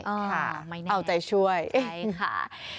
ค่ะไม่แน่เอาใจช่วยใช่ค่ะเอาใจช่วย